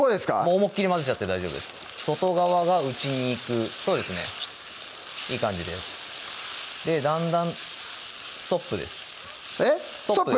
思いっきり混ぜちゃって大丈夫です外側が内に行くそうですねいい感じですだんだんストップですえっストップ？